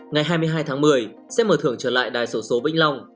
ngày hai mươi hai tháng một mươi sẽ mở thưởng trở lại đài sổ số vĩnh long